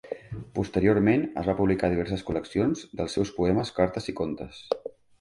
Posteriorment es van publicar diverses col·leccions dels seus poemes, cartes i contes.